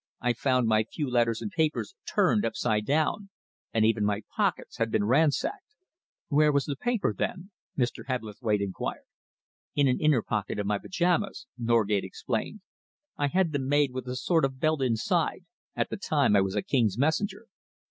I found my few letters and papers turned upside down, and even my pockets had been ransacked." "Where was the paper, then?" Mr. Hebblethwaite enquired. "In an inner pocket of my pyjamas," Norgate explained. "I had them made with a sort of belt inside, at the time I was a king's messenger."